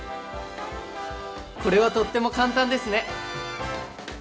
これはとっても簡単ですね！